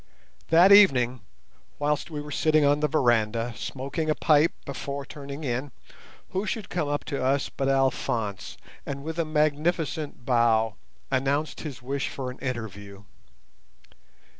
That evening, whilst we were sitting on the veranda, smoking a pipe before turning in, who should come up to us but Alphonse, and, with a magnificent bow, announce his wish for an interview.